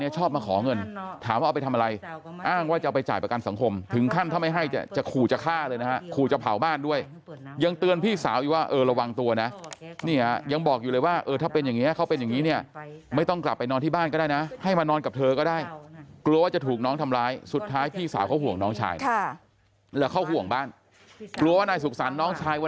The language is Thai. ชอบมาขอเงินถามว่าเอาไปทำอะไรอ้างว่าจะเอาไปจ่ายประกันสังคมถึงขั้นถ้าไม่ให้จะขู่จะฆ่าเลยนะฮะขู่จะเผาบ้านด้วยยังเตือนพี่สาวอีกว่าเออระวังตัวนะเนี่ยยังบอกอยู่เลยว่าเออถ้าเป็นอย่างนี้เขาเป็นอย่างนี้เนี่ยไม่ต้องกลับไปนอนที่บ้านก็ได้นะให้มานอนกับเธอก็ได้กลัวว่าจะถูกน้องทำร้ายสุดท้ายพี่สาวเขาห่วงน้องชายแล้วเขาห่วงบ้านกลัวว่านายสุขสรรค